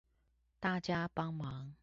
大家幫忙